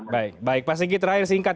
baik baik pak sigi terakhir singkat